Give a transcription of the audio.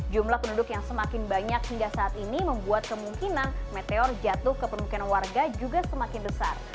jumlah penduduk yang semakin banyak hingga saat ini membuat kemungkinan meteor jatuh ke permukiman warga juga semakin besar